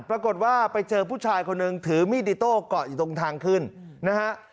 ปรากฏว่าไปเจอผู้ชายคนหนึ่งถือมีดอิโต้เกาะอยู่ตรงทางขึ้นนะฮะ